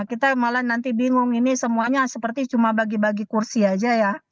kita malah nanti bingung ini semuanya seperti cuma bagi bagi kursi aja ya